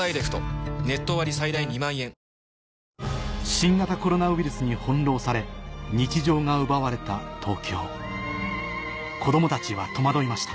新型コロナウイルスに翻弄され日常が奪われた東京子供たちは戸惑いました